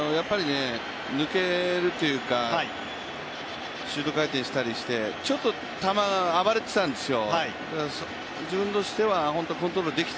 抜けるというか、シュート回転したりして、ちょっと球、暴れてたんですよ。